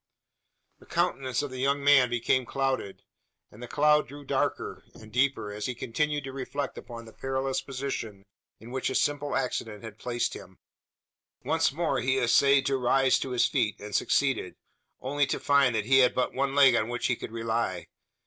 The countenance of the young man became clouded; and the cloud grew darker, and deeper, as he continued to reflect upon the perilous position in which a simple accident had placed him. Once more he essayed to rise to his feet, and succeeded; only to find, that he had but one leg on which he could rely!